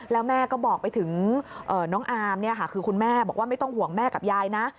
แล้วแม่ก็บอกไปถึงน้องอามคือคุณแม่บอกว่าไม่ต้องห่วงแม่กับยายนะ